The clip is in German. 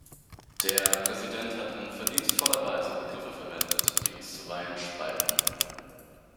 Der Präsident hat in verdienstvoller Weise Begriffe verwendet, die uns zuweilen spalten.